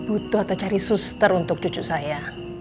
e querer cari suster untuk cucu saya